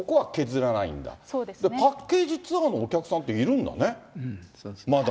パッケージツアーのお客さんっているんだね、まだ。